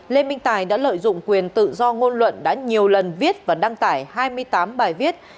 lê minh tài đã lợi dụng quyền tự do ngôn luận đã nhiều lần viết và đăng tải hai mươi tám bài viết